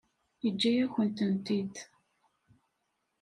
Yeǧǧa-yakent-tent-id.